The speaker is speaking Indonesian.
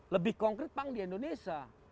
lebih konkret pang di indonesia